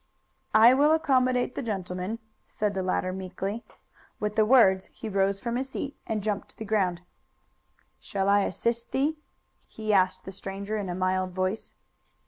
"I will accommodate the gentleman," said the latter meekly. With the words he rose from his seat and jumped to the ground. "Shall I assist thee?" he asked the stranger in a mild voice.